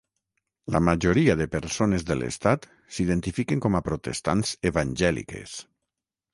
La majoria de persones de l'estat s'identifiquen com a protestants evangèliques.